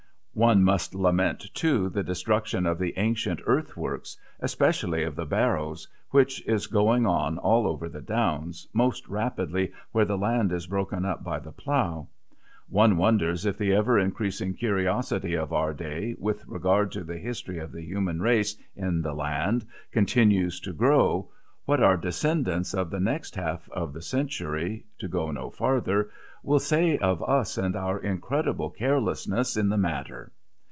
One must lament, too, the destruction of the ancient earth works, especially of the barrows, which is going on all over the downs, most rapidly where the land is broken up by the plough. One wonders if the ever increasing curiosity of our day with regard to the history of the human race in the land continues to grow, what our descendants of the next half of the century, to go no farther, will say of us and our incredible carelessness in the matter!